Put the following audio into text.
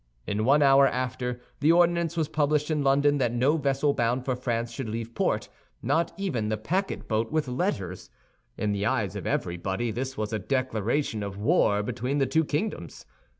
In one hour after, the ordinance was published in London that no vessel bound for France should leave port, not even the packet boat with letters. In the eyes of everybody this was a declaration of war between the two kingdoms.